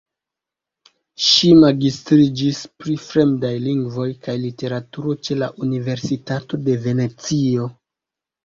Ŝi magistriĝis pri Fremdaj lingvoj kaj Literaturo ĉe la Universitato de Venecio.